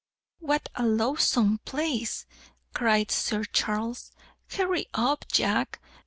"What a loathsome place!" cried Sir Charles. "Hurry up, Jack!